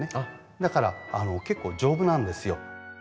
だから結構丈夫なんですよ。